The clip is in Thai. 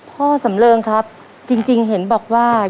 สำเริงครับจริงเห็นบอกว่า